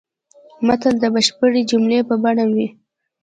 متل د بشپړې جملې په بڼه وي